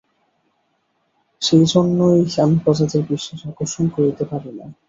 সেইজন্যই আমি প্রজাদের বিশ্বাস আকর্ষণ করিতে পারি না।